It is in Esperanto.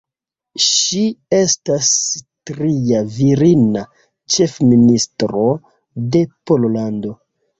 Ŝi estas tria virina ĉefministro de Pollando.